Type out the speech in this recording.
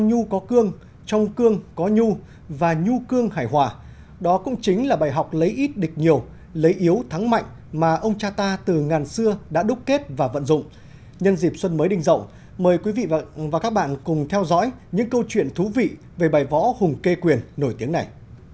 nhân dịp xuân mới đình rộng mời quý vị và các bạn cùng theo dõi những câu chuyện thú vị về bài võ hùng cây quyền nổi tiếng này